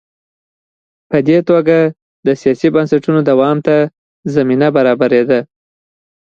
په دې توګه د سیاسي بنسټونو دوام ته زمینه برابرېده.